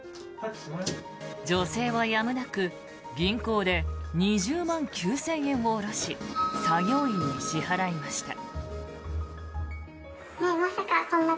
女性はやむなく銀行で２０万９０００円を下ろし作業員に支払いました。